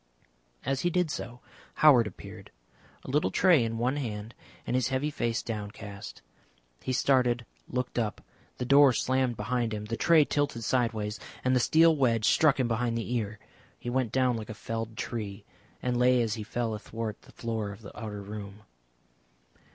As he did so Howard appeared, a little tray in one hand and his heavy face downcast. He started, looked up, the door slammed behind him, the tray tilted side ways, and the steel wedge struck him behind the ear. He went down like a felled tree, and lay as he fell athwart the floor of the outer room.